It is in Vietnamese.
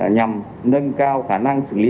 nhằm nâng cao khả năng xử lý